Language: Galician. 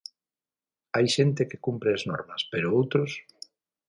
Hai xente que cumpre as normas, pero outros...